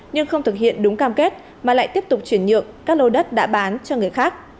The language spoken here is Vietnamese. nhưng không thực hiện đúng cam kết mà lại tiếp tục chuyển nhượng các lô đất đã bán cho người khác